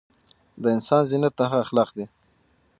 د انسان زينت د هغه اخلاق دي